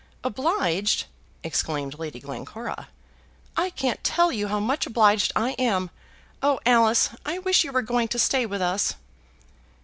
"Obliged!" exclaimed Lady Glencora. "I can't tell you how much obliged I am. Oh, Alice, I wish you were going to stay with us!"